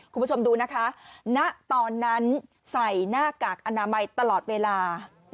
คุณผู้ชมดูนะคะณตอนนั้นใส่หน้ากากอนามัยตลอดเวลา